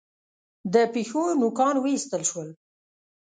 د پښو نوکان و ایستل شول.